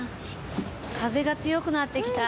風が強くなってきた。